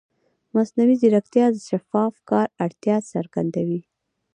مصنوعي ځیرکتیا د شفاف کار اړتیا څرګندوي.